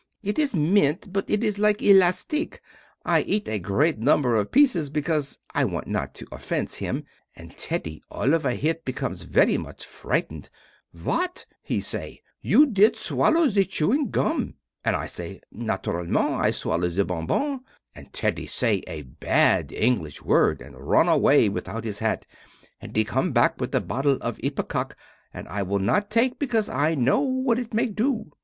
It is mint but it is like elastic; I eat a great number of pieces because I want not to offence him, and Teddy all of a hit become very much frightened: "What," he say, "You did swallow the chewing gum!" And I say: "Naturally I swallow the bonbon!" And Teddy say a bad English word and run away without his hat and he come back with a bottle of ipecac and I will not take because I know what it make do.